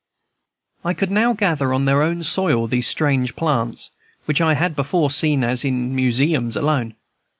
I could now gather on their own soil these strange plants, which I had before seen as in museums alone.